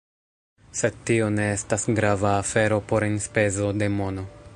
Sed tio ne estas grava afero por enspezo de mono